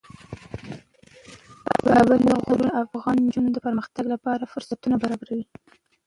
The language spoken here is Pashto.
پابندی غرونه د افغان نجونو د پرمختګ لپاره فرصتونه برابروي.